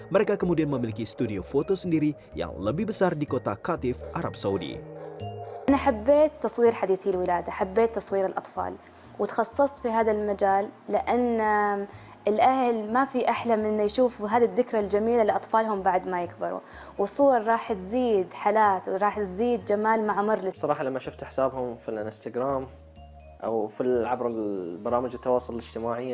mereka kemudian memiliki studio foto sendiri yang lebih besar di kota katif arab saudi